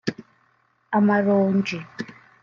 amaronji